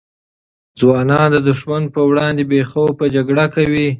ځوانان د دښمن پر وړاندې بې خوف جګړه کوي.